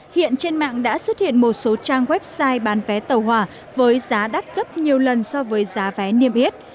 hiện trên mạng đã xuất hiện một số trang website bán vé tàu hỏa với giá đắt gấp nhiều lần so với giá vé niêm yết